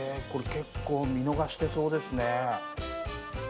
これ結構見逃してそうですね。